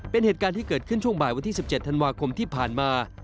เป็นเหตุการณ์ที่เกิดขึ้นช่วงบ่ายวันที่๑๗ธันวาคมที่ผ่านมา